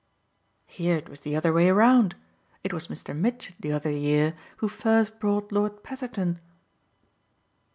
"Here it was the other way round. It was Mr. Mitchett, the other year, who first brought Lord Petherton."